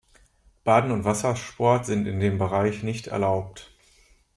Baden und Wassersport sind in dem Bereich nicht erlaubt.